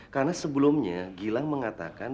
karena sebelumnya gilang mengatakan